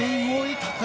高い！